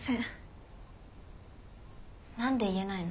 何で言えないの？